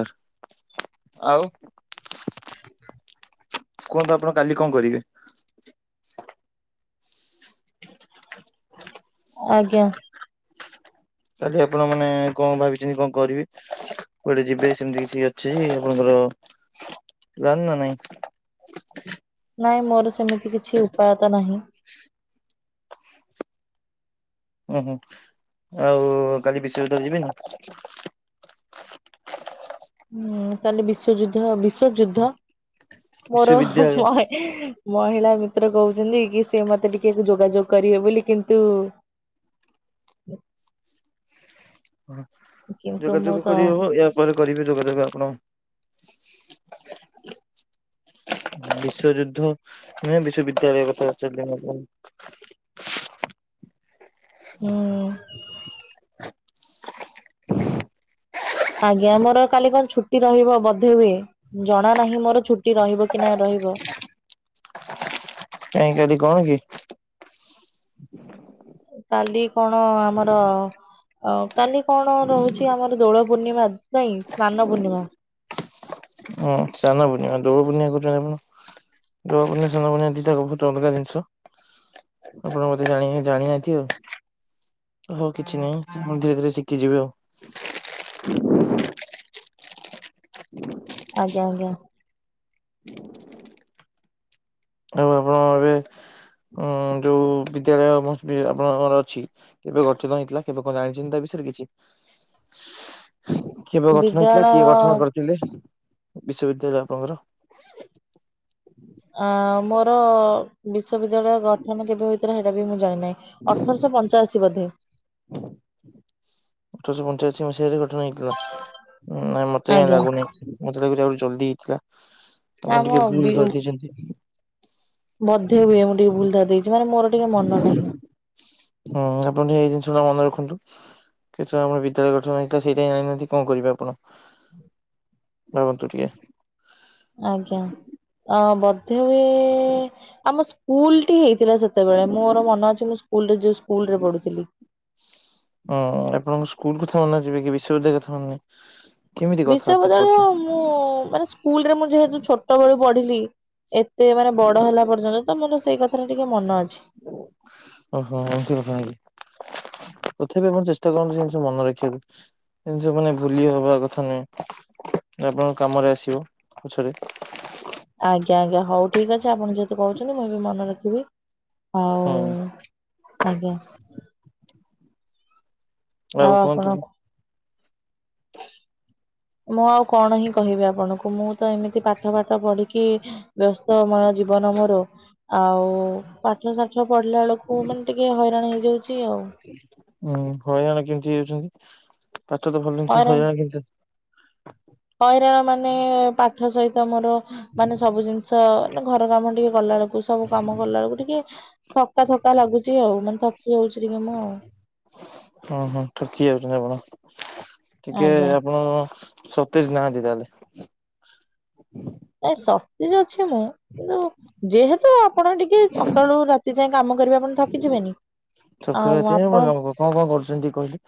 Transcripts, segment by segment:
ହ ଆଉ। [unintelligible] କୁହନ୍ତୁ ଆପଣ କାଲି କଣ କରିବେ? ଆଜ୍ଞା କାଲି ଆପଣ ମାନେ କଣ ଭାବିଛନ୍ତି କଣ କରିବେ? କୁଆଡେ ଯିବେ ସେମିତି କିଛି ଅଛି ଆପଣଙ୍କର ପ୍ଲାନ ନା ନାଇଁ? ନାଇଁ ମୋର ସେମିତି କିଛି ଉପାୟ ତ ନାହିଁ। ଓହୋ ଆଉ କାଲି ବିଶ୍ୱଯୁଦ୍ଧ ଯିବେନି। ହୁଁ କାଲି ବିଶ୍ୱଯୁଦ୍ଧ ବିଶ୍ଵଯୁଦ୍ଧ ମୋର ବିଶ୍ୱବିଦ୍ୟାଳୟ ମାଏ ମହିଳା ମିତ୍ର କହୁଛନ୍ତି କି ସିଏ ମତେ ଟିକେ ଯୋଗାଯୋଗ କରିବେ ବୋଲି କିନ୍ତୁ ହ କିନ୍ତୁ ମୁଁ ଯୋଗାଯୋଗ ତ କରିହେବ ଏହା ପରେ କରିବେ ଯୋଗାଯୋଗ ଆପଣ ଆଜ୍ଞା। ବିଶ୍ଵଯୁଦ୍ଧ ନାଇ ବିଶ୍ୱବିଦ୍ୟାଳୟ କଥା ପଚାରିଲି ମୁଁ ଆପଣଙ୍କୁ? ହୁଁ। ଆଜ୍ଞା ମୋର କାଲି କଣ ଛୁଟି ରହିବ ବଧେ ହୁଏ। ଜଣା ନାହିଁ ମୋର ଛୁଟି ରହିବ କି ନାଁ ରହିବ? କାଇଁ କାଲି କଣ କି? କାଲି କଣ ଆମର ଅ କାଲି କଣ ରହୁଛି ଆମର ଦୋଳ ପୂର୍ଣ୍ଣିମା ନାଇଁ ସ୍ନାନ ପୂର୍ଣ୍ଣିମା। ହଁ ସ୍ନାନ ପୂର୍ଣ୍ଣିମା ଦୋଳ ପୂର୍ଣ୍ଣିମା କହୁଛନ୍ତି ଆପଣ? ଦୋଳ ପୂର୍ଣ୍ଣିମା ସ୍ନାନ ପୂର୍ଣ୍ଣିମା ଦିଟା ବହୁତ୍ ଅଲଗା ଜିନିଷ। ଆପଣ ମତେ ଜାଣି ଜାଣିନାହାନ୍ତି ଆଉ ହଉ କିଛି ନାହିଁ ମୁଁ ଧୀରେ ଧୀରେ ଶିଖି ଯିବେ ଆଉ ଆଜ୍ଞା ଆଜ୍ଞା। ଆଉ ଆପଣଙ୍କ ଏବେ ଉ ଯୋଉ ବିଦ୍ୟାଳୟ ଆପଣଙ୍କର ଅଛି? କେବେ ଗଠିତ ହେଇଥିଲା କେବେ କଣ ଜାଣିଛନ୍ତି ତା ବିଷୟରେ କିଛି? କେବେ ଗଠନ ହେଇଥିଲା କିଏ ଗଠନ ବିଦ୍ୟାଳୟ କରିଥିଲେ ବିଶ୍ଵବିଦ୍ୟାଳୟ ଆପଣଙ୍କର? ଆ ମୋର ବିଶ୍ଵବିଦ୍ୟାଳୟ ଗଠନ କେବେ ହୋଇ ସେଇଟା ବି ମୁଁ ଜାଣିନାହିଁ ଅଠରଶହ ପଞ୍ଚାଅଶୀ ବଧେ। ଅଠରଶହ ପଞ୍ଚାଅଶି ମସିହାରେ ଗଠନ ହେଇଥିଲା ନା ମତେ କାଇଁ ଆଜ୍ଞା ଲାଗୁନି। ମତେ ଲାଗୁଛି ଆଉ ଜଲଦି ହେଇଥିଲା ଆପଣ ଆମ ଟିକେ ଭୁଲ [inaudible] ବଧେ ହୁଏ ମୁଁ ଟିକେ ଭୁଲ୍ ଦେଇଛି ମାନେ ମୋର ଟିକେ ମନେ ନାହିଁ। ହୁଁ ଆପଣ ଟିକେ ଏଇ ଜିନିଷ ଗୁରା ମନେ ରଖନ୍ତୁ। କେତେବେଳେ ଆମର ବିଦ୍ୟାଳୟ ଗଠନ ହେଇଥିଲା ସେଇଟା ହିଁ ଜାଣିନାହାନ୍ତି କଣ କରିବେ ଆପଣ? ହୁଁ ଭାବନ୍ତୁ ଟିକେ? ଆଜ୍ଞା ଅ ବଧେ ହୁଏ ଆମ ସ୍କ୍କୁ ସ୍କୁଲଟି ହେଇଥିଲା ସେତେବେଳେ ମୋର ମନ ଅଛି ମୁଁ ସ୍କୁଲରେ ଯୋଉ ସ୍କୁଲରେ ପଢୁଥିଲି। ହଁ ଆପଣଙ୍କ ସ୍କୁଲ କଥା ମନେ ଯିବେ କି ବିଶ୍ୱବିଦ୍ୟାଳୟ କଥା ମନେନାହିଁ। ବିଶ୍ବବିଦ୍ୟାଳୟ ମୁଁ ମାନେ ସ୍କୁଲରେ ମୁଁ ଯେହେତୁ ଛୋଟ ବେଳୁ ପଢିଲି ଏତେ ମାନେ ବଡ ହେଲା ପର୍ଯ୍ୟନ୍ତ ତ ମୋର ସେଇ କ ସେଥରେ ଟିକେ ମନ ଅଛି। ଓହୋ ଏମତି କଥା ନାଇଁ କି? ତଥାପି ଆମର ଚେଷ୍ଟା କରନ୍ତୁ ଜିନିଷ ମନେ ରଖିବାକୁ। ଜିନିଷ ମାନେ ଭୁଲି ହେବା କଥା ନୁହେଁ ଆପଣଙ୍କ କାମରେ ଆସିବ ପଛରେ ଆଜ୍ଞା ଆଜ୍ଞା ହଉ ଠିକ ଅଛି ଆପଣ ଯେହେତୁ କହୁଛନ୍ତି ମୁଇଁ ବି ମନେ ରଖିବି ଆଉ ହଁ ଆଜ୍ଞା। ଆଉ କୁହନ୍ତୁ? ମୁଁ ଆଉ କଣ ହିଁ କହିବି ଆପଣଙ୍କୁ ମୁଁ ତ ଏମିତି ପାଠ ପାଠ ପଢିକି ବ୍ୟସ୍ତମୟ ଜୀବନ ମୋର ଆଉ ପାଠ ସାଠ ପଢିଲା ବେଳକୁ କୁ ମାନେ ଟିକେ ହଇରାଣ ହେଇଯାଉଛି ଆଉ ହୁଁ ହଇରାଣ କେମିତି ହେଇଯାଉଛନ୍ତି ପାଚ ତ ଭଲ ଜିନିଷ ହଇରାଣ କେମିତି ହଇରାଣ ମାନେ ପାଠ ସହିତ ମୋର ମାନେ ସବୁ ଜିନିଷ ଘର କାମ ଟିକେ କଲା ବେଳକୁ ସବୁ କାମ କଲା ବେଳକୁ ଟିକେ ଥକାଥକା ଲାଗୁଚ ଆଉ ମାନେ ଥକି ଯାଉଛି ଟିକେ ମୁଁ ଆଉ। ହଁ ହଁ ଥକି ଯାଉଛନ୍ତି ଆପଣ ଟିକେ ଆଜ୍ଞା ଆପଣ ସତେଇଶ ନାହାନ୍ତି ତାହେଲେ। ନାଇଁ ସତେଜ ଅଛି ମୁଁ। କିନ୍ତୁ ଯେହେତୁ ଆପଣ ଟିକେ ସକାଳୁ ରାତି ଯାଏ କାମ କରିବେ ଆପଣ ଥକିଯିବେନି। ସକାଳୁ ଆଉ ରାତି ଯାଏ ଆପଣ କଣକଣ କରୁଛନ୍ତି କହିଲେ?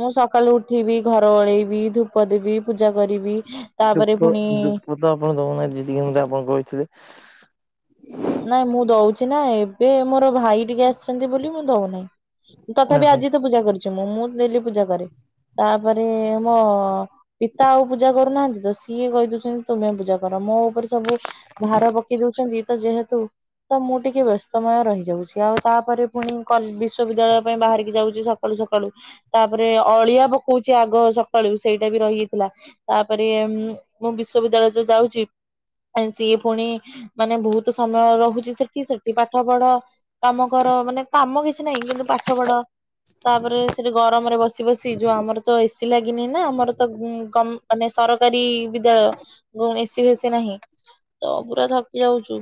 ମୁଁ ସକାଳୁ ଉଠିବି ଘର ଓଳେଇବି ଧୂପ ଦେବି ପୂଜା କରିବି ଧୂପ ତାପରେ ପୁଣି ଧୂପ ତ ଆପଣ ଦଉନାହାନ୍ତି ଯେତିକି ମତେ ଆପଣ କହିଥିଲେ। ନାଇଁ ମୁଁ ଦଉଛି ନା ଏବେ ମୋର ଭାଇ ଟିକେ ଆସିଛନ୍ତି ବୋଲି ମୁଁ ଦଉନାହିଁ। ତଥାପି ଓହୋ ଆଜି ତ ପୂଜା କରିଛି ମୁଁ ମୁଁ ଡେଲି ପୂଜା କରେ ତା ତାପରେ ମୋ ପିତା ଆଉ ପୂଜା କରୁନାହାନ୍ତି ତ ସିଏ କହିଦଉଛନ୍ତି ତୁମେ ପୂଜା କର ମୋ ଉପରେ ସବୁ ଭାର ପକେଇ ଦଉଛନ୍ତି ଯେ ତ ଯେହେତୁ ତ ମୁଁ ଟିକେ ବ୍ୟସ୍ତମୟ ରହିଯାଉଛି ଆଉ ତାପରେ ପୁଣି କଲ୍ ବିଶ୍ବବିଦ୍ୟାଳୟ ସେଥିପାଇଁ ବାହାରିକି ଯାଉଛି ସକାଳୁ ସକାଳୁ। ତାପରେ ଅଳିଆ ପକଉଛି ଆଗ ସକାଳୁ ସେଇଟା ବି ରହିଯାଇଥିଲା। ତାପରେ ମୁଁ ମୁଁ ବିଶ୍ଵବିଦ୍ୟାଳୟ ଯୋଉ ଯାଉଛି ଆସିକି ପୁଣି ମାନେ ବହୁତ୍ ସମୟ ରହୁଛି ସେଠି ସେଠି ପାଠ ପଢ଼। କାମ କର ମାନେ କାମ କିଛି ନାହିଁ କିନ୍ତୁ ପାଠ ପଢ଼। ତାପରେ ସେଠି ଗରମରେ ବସି ବସି ଯୋଉ ଆମର ତ ଏସି ଲାଗିନି ନା ଆମର ତ କମ୍ ମାନେ ସରକାରୀ ବିଦ୍ୟାଳୟ ଗୁମ୍ ଏସିି ଫସି ନାହିଁ ତ ପୁରା ଥକି ଯାଉଛୁ।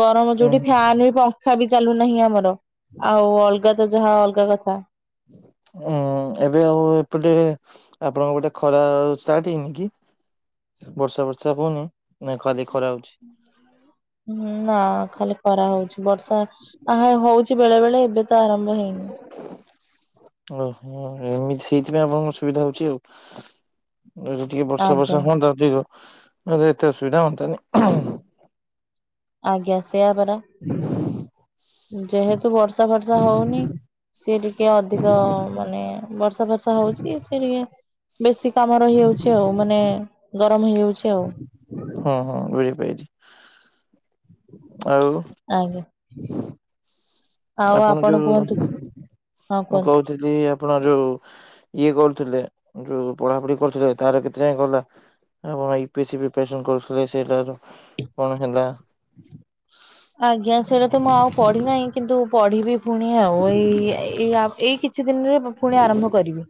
ଗରମ ଯୋଉଠି ଉଁ ଫ୍ୟାନ ବି ପଙ୍ଖା ବି ଚାଲୁନାହିଁ ଆମର ଆଉ ଅଲଗା ତ ଯାହା ଅଲଗା କଥା। ହୁଁ ହୁଁ ଏବେ ଆଉ ଏପଟେ ଆପଣଙ୍କ ଗୋଟେ ଖରା ଆଉ ଷ୍ଟାର୍ଟ ହେଇନି କି? ବର୍ଷ ବର୍ଷା ହଉନି ନା ଖାଲି ଖରା ହଉଛି। ହୁଁ ନା ଖାଲି କରା ହଉଛି ବର୍ଷା ଆ ହା ହଉଛି ବେଳେବେଳେ ଏବେ ତ ଆରମ୍ଭ ହେଇନି। ଓହୋ ଏମିତି ସେଇଥିପାଇଁ ଆପଣଙ୍କ ସୁବିଧା ହଉଛି ଆଉ [unintelligible] ଟିକେ ବର୍ଷା ଆଜ୍ଞା ବର୍ଷା ହୁଅନ୍ତା ଯେ ଏତେ ଅସୁବିଧା ହୁଅନ୍ତାନି। ଆଜ୍ଞା ସେୟା କର ଯେହେତୁ ବର୍ଷ ବର୍ଷା ଫର୍ଷା ହଉନି ସି ଟିକେ ଅଧିକ ମାନେ ବର୍ଷା ଫର୍ଷା ହଉଛି ସେ ଟିକେ ବେଶୀ କାମ ରହିଯାଉଛି ଆଉ ମାନେ ଗରମ ହେଇଯାଉଛି ଆଉ। ହଁ ହଁ ବୁଝି ପାଇଛି। ଆଉ। ଆଜ୍ଞା। [inaudible] ଆଉ ଆପଣ ଯୋଉ କୁହନ୍ତୁ ହଁ କ କୁହନ୍ତୁ। କହୁଥିଲି ଆପଣ ଯୋଉ ଇଏ କରୁଥିଲେ ଯୋଉ ପଢ଼ାପଢ଼ି କରୁଥିଲେ ତାର କେତେ ଯାଇ ଗଲା ଆଉ E P A C preparation କରୁଥିଲେ ସେ ତାର କଣ ହେଲା? ଆଜ୍ଞା ସେଇଟା ତ ମୁଁ ଆଉ ପଢ଼ି ନାହିଁ କିନ୍ତୁ ପଢ଼ିବି ପୁଣି ଆଉ ଏଇ ଏଇ ଆ ଏଇକି କିଛି ଦିନରେ ପୁଣି ଆରମ୍ଭ କରିବି।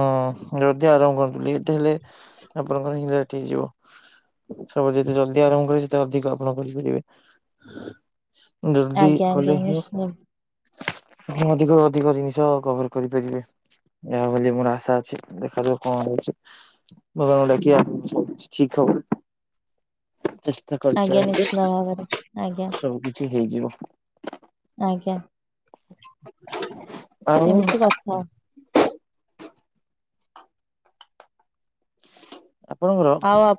ହୁଁ ଯଦି ଆରମ୍ଭ କରନ୍ତୁ ଲେଟ ହେଲେ ଆପଣଙ୍କର ହିଁ ଲେଟ ହେଇଯିବ। ସବୁ ଯେତେ ଜଲଦି ଆରମ୍ଭ କରିବେ ସେତେ ଅଧିକ ଆପଣ କରିପାରିବେ? ଜଲଦି ଆଜ୍ଞା କଲେ ଆଜ୍ଞା ହିଁ ନିଶ୍ଚୟ ଅଧିକରୁ ଅଧିକ ଜିନିଷ କଭର କରିପାରିବେ ଏହା ବୋଲି ମୋର ଆଶା ଅଛି ଦେଖାାଯାଉ କଣ ହଉଛି। ବାବାଙ୍କୁ ଡାକିବା ସବୁ କିଛି ଠିକ୍ ହୋଉ। ଚେଷ୍ଟା ଆଜ୍ଞା କରୁଚନ୍ତି ନିଶ୍ଚିତ ଭାବରେ ଆଜ୍ଞା ସବୁ କିଛି ହେଇଯିବ। ଆଜ୍ଞା। ଆଉ ଏମିତି କଥା। ଆପଣଙ୍କର! ଆଉ ଆପ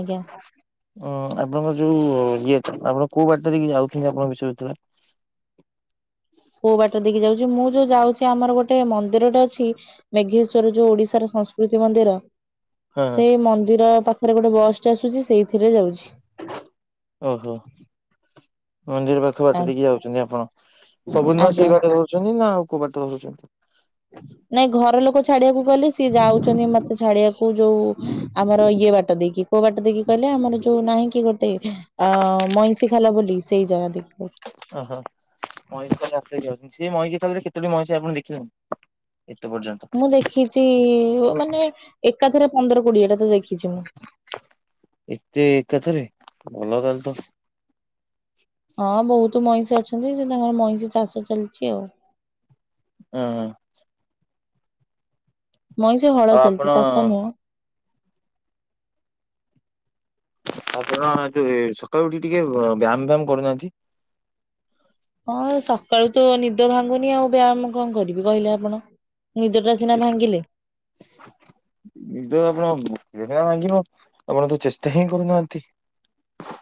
ଆଜ୍ଞା। ଆପଣଙ୍କର ଯୋଉ ଇଏ ତ, ଆପଣ କୋଉ ବାଟ ଦେଇକି ଯାଉଛନ୍ତି ଆପଣଙ୍କ ବିଷଯୁତ୍ରା? କୋଉ ବାଟରେ ଦେଖି ଯାଉଛି ମୁଁ ଯୋଉ ଯାଉଛି, ଆମର ଗୋଟେ ମନ୍ଦିରଟେ ଅଛି ମେଘେଶ୍ଵର ଯୋଉ, ଓଡିଶାର ସଂସ୍କୃତି ମନ୍ଦିର ହଁ ସେଇ ମନ୍ଦିର ପାଖରେ ଗୋଟେ ବସ୍ ଟେ ଆସୁଛି, ସେଇଥିରେ ଯାଉଛି। ଓହୋ! ମନ୍ଦିର ପାଖ ଆ ବାଟ ଦେଇକି ଯାଉଛନ୍ତି ଆପଣ। ସବୁଦିନ ଆଜ୍ଞା ସେଇ ବାଟରେ ରହୁଛନ୍ତି ନା, ଆଉ କୋଉ ବାଟରେ ରହୁଛନ୍ତି। ନାଇଁ, ଘର ଲୋକ ଛାଡିଆକୁ ଗଲେ ସିଏ ଯାଉଛନ୍ତି, ମତେ ଛାଡିବାକୁ ଯୋଉ, ଆମର ଇଏ ବାଟ ଦେଇକି, କୋଉ ବାଟ ଦେଇକି କଇଲେ, ଆମର ଯୋଉ ନାହିଁ କି ଗୋଟେ, ଅ ମଇଁଷି ଖାଲା ବୋଲି ସେଇ ଜାଗା ଦେଖି ଯାଉଚୁ। ଓହୋ! ମଇଁଷି ଖାଲ [unintelligible] ଯାଉଛନ୍ତି। ସେ ମଇଁଷି ଖାଲରେ କେତେଟି ମଇଁଷି ଆପଣ ଦେଖିଛନ୍ତି? ଏତେ ପର୍ଯ୍ୟନ୍ତ। ଖିଛି-ଇ ମାନେ ଏକାଥରେ ପନ୍ଦର କୋଡିଏ ଟା ତ ଦେଖିଛି ମୁଁ! ଏତେ ଏକାଥରେ! ଭଲ ତାଲେ ତ! ହଁ, ବହୁତ ମଇଁଷି ଅଛନ୍ତି। ସେ ତାଙ୍କର ମଇଁଷି ଚାଷ ଚାଲିଛି ଆଉ। ଉଁ, ହୁଁ। ମଇଁଷି ହଳ ଆପଣ ଚାଲିଛି, ଚାଷ ନୁହଁ। ଆପଣ ଯୋଉ, ସକାଳୁ ଉଠି ଟିକେ ବ୍ୟାୟାମ୍ ବ୍ୟାମ୍ କରୁନାହାଁନ୍ତି? ହଁ, ସକାଳୁ ତ ନିଦ ଭାଙ୍ଗୁନି ଆଉ, ବ୍ୟାୟାମ କଣ କରିବି କହିଲେ ଆପଣ? ନିଦଟା ସିନା ଭାଙ୍ଗିଲେ? ନିଦ ଆପଣଙ୍କ [unintelligible] ଭାଙ୍ଗିବ ଆପଣ ତ ଚେଷ୍ଟା ହିଁ କରୁନାହାଁନ୍ତି? ହ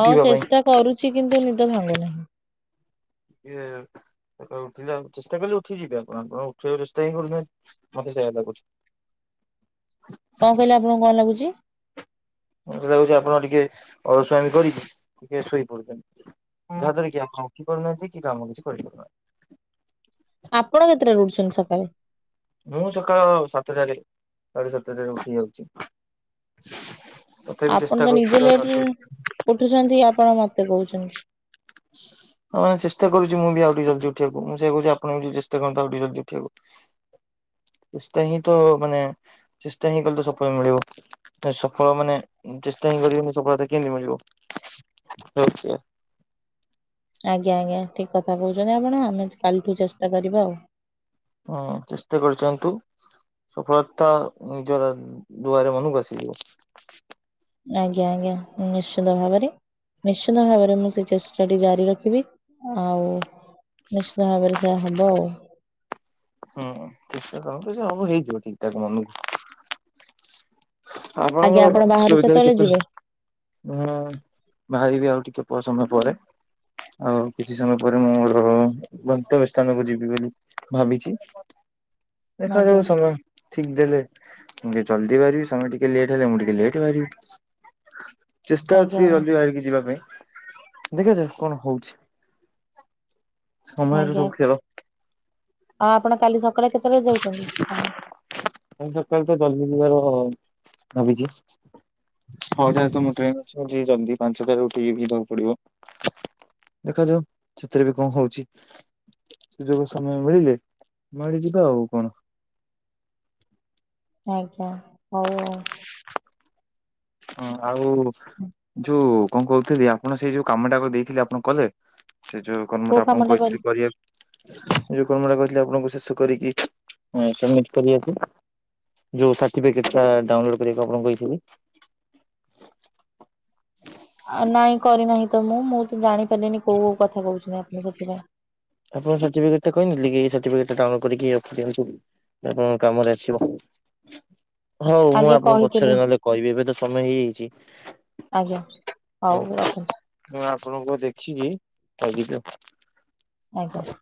ହଁ, ଚେଷ୍ଟା କରୁଛି କିନ୍ତୁ, ନିଦ ଭାଙ୍ଗୁନାହିଁ। ଇଏ ସକାଳେ ଉଠିଲେ, ଆଉ ଚେଷ୍ଟା କଲେ ଉଠିିଯିବେ ଆପଣ, ଆପଣ ଉଠିଆକୁ ଚେଷ୍ଟା ହିଁ, କରୁ ନାହାଁନ୍ତି ମତେ ସେୟା ଲାଗୁଛି। କଣ କହିଲେ, ଆପଣଙ୍କୁ କଣ ଲାଗୁଛି? ମତେ ଲାଗୁଛି, ଆପଣ ଟିକେ ଅଳସୁଆମି କରିକି ଟିକେ ଶୋଇପଡୁଛନ୍ତି। ଯାହା ଦ୍ୱାର କି ଆପଣ ଉଠି ପାରୁନାହାଁନ୍ତି, କି କାମ କିଛି କରିପାରୁନାହଁନ୍ତି। ଆପଣ କେତେଟାରେ ଉଠୁଛନ୍ତି ସକାଳେ? ମୁଁ ସକାଳ ସାତଟାରେ ସାଢେ ସାତଟାରେ ଉଠି ଯାଉଛି। ତଥାପି ଆପଣ ଚେଷ୍ଟା ତ ନିଜେ ଲେଟ୍ ରେ କରୁଛି ଉଠୁଛନ୍ତି, ଆପଣ ମତେ କହୁଛନ୍ତି। ହଁ ବା ଚେଷ୍ଟା କରୁଛି, ମୁଁ ବି ଆଉ ଟିକେ ଜଲ୍ଦି ଉଠିଆକୁ। ମୁଁ ସେୟା କହୁଛି, ଆପଣବି ଚେଷ୍ଟା କରନ୍ତୁ ଆଉ ଟିକେ ଜଲ୍ଦି ଉଠିଆକୁ। ଚେଷ୍ଟା ହିଁ ତ ମାନେ, ଚେଷ୍ଟା ହିଁ କଲେ ତ ସଫଳ ମିଳିବ। ସଫଳ ମାନେ ଚେଷ୍ଟା, ହିଁ କରିବେନି ସଫଳତା କେଁତି ମିଳିବ? ରଉଛି। ଆଜ୍ଞା ଆଜ୍ଞା, ଠିକ୍ କଥା କହୁଛନ୍ତି ଆପଣ। ଆମେ କାଲିଠୁ ଚେଷ୍ଟା କରିବା ଆଉ। ହୁଁ, ଚେଷ୍ଟା କରିଚନ୍ତୁ। ସଫଳତା, ନିଜର ଦୁଆରେ ମନକୁ ଆସିଯିବ। ଆଜ୍ଞା, ଆଜ୍ଞା, ନିଶ୍ଚିନ୍ତ ଭାବରେ। ନିଶ୍ଚିନ୍ତ ଭାବରେ, ମୁଁ ସେ ଚେଷ୍ଟାଟି ଜାରି ରଖିବି ଆଉ ନିଶ୍ଚିତ ଭାବରେ ସେଆ ହବ ଆଉ। ହୁଁ, ଚେଷ୍ଟା କରନ୍ତୁ, ସେ ସବୁ ହେଇଯିବ, ଠିକ୍ ଠାକ୍ ମନୁକୁ। ଆଜ୍ଞା ଆପଣ ଆପଣଙ୍କ ବାହାରକୁ [unintelligible] କେତେବେଳେ କେତୋଟି ଯିବେ ହୁଁ, ବାହାରିବି ଆଉ ଟିକେ, ସମୟ ପରେ। ଆଉ, କିଛି ସମୟ ପରେ ମୁଁ ର ଗନ୍ତବ୍ୟ ସ୍ଥାନକୁ ଯିବି ବୋଲି ଭାବିଛି! ଆଜ୍ଞା ଦେଖାଯାଉ, ସମୟ ଠିକ୍ ଦେଲେ, ମୁଁ ଟିକେ ଜଲ୍ଦି ବାହାରିବି। ସମୟ ଟିକ୍ ଟିକେ ଲେଟ୍ ହେଲେ ମୁଁ ଟିକେ ଲେଟ୍ ବାହାରିବି। ଚେଷ୍ଟା ଆଜ୍ଞା ଅଛି ଆଜ୍ଞା ଜଲ୍ଦି ବାହାରିକି ଯିବା ପାଇଁ। ଦେଖଯାଉ କଣ ହଉଛି? ସମୟର ସବୁ ଖେଳ। ଆ, ଆପଣ କାଲି ସକାଳେ କେତେଳେ ଯାଉଛନ୍ତି? କାଲି ସକାଳୁ ତ ଜଲଦି ଯିବାର ଭାବିଛି। ହଉ ଯା ତମ ଟ୍ରେନ ଅଛି ଯଦି ଜଲଦି ପାଞ୍ଚଟାରୁ ଉଠିକି ଯିବାକୁ ପଡିବ। ଦେଖାଯାଉ ସେଥିରେ ବି କଣ ହଉଛି ସୁଯୋଗ ସମୟ ମିଳିଲେ ମାଡି ଯିବା ଆଉ କଣ। ଆଜ୍ଞା ହଉ ଆଉ। ହଁ ଆଉ ଯୋଉ କଣ କହୁଥିଲି ଆପଣ ସେଇ ଯୋଉ କାମଟାକୁ ଦେଇଥିଲେ ଆପଣ କଲେ ସେ ଯୋଉ କୋଉ କର୍ମଟା ଆପଣଙ୍କୁ କାମଟା କହିଥିଲି କହିଲେ କରିବାକୁ। ଏ ଯୋଉ କର୍ମଟା କହିଥିଲେ ଆପଣଙ୍କୁ ଶେଷ କରିକି ସମମିଟ୍ କରିବାପାଇଁ। ଯୋଉ ସାର୍ଟିଫିକେଟ ଟା ଡାଉନଲୋଡ୍ କରିବାକୁ ଆପଣଙ୍କୁ କହିଥିଲି। ଅ ନାଇଁ କରିନାହିଁ ତ ମୁଁ ମୁଁ ତ ଜାଣିପାରିଲିନି କୋଉ କଥା କହୁଛନ୍ତି ଆପଣ ସେଥିପାଇଁ। ଆପଣଙ୍କ ସାର୍ଟିଫିକେଟ ଟା କହିନଥିଲି କି ଏଇ ସାର୍ଟିଫିକେଟ ଡାଉନଲୋଡ୍ କରିକି ରଖି ଦିଅନ୍ତୁ। ଆପଣଙ୍କ କାମରେ ଆସିବ। ହଉ ମୁଁ ଆଜ୍ଞା ଆପଣଙ୍କୁ କହିଥିଲେ ପଛରେ ନହେଲେ କହିବି ଏବେ ତ ସମୟ ହେଇଯାଇଛି। ଆଜ୍ଞା ହଉ ରଖନ୍ତୁ। ମୁଁ ଆପଣଙ୍କୁ ଦେଖିକି କହିଦେବି ଆଉ। ଆଜ୍ଞା।